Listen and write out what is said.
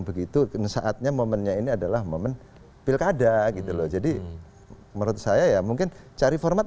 begitu saatnya momennya ini adalah momen pilkada gitu loh jadi menurut saya ya mungkin cari format